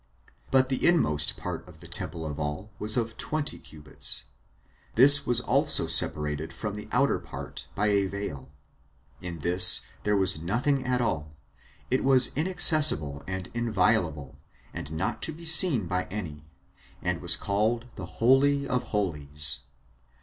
But the inmost part of the temple of all was of twenty cubits. This was also separated from the outer part by a veil. In this there was nothing at all. It was inaccessible and inviolable, and not to be seen by any; and was called the Holy of Holies.